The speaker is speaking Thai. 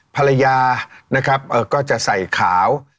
ภรรยานะครับก็จะใส่ขาว